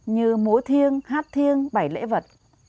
như múa thiêng hát thiêng bảy lễ vật